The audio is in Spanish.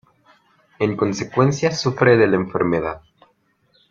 En consecuencia sufre de la enfermedad.